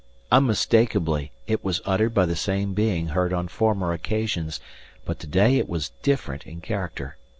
Unmistakably it was uttered by the same being heard on former occasions; but today it was different in character.